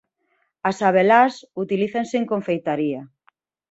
As abelás utilízanse en confeitaría.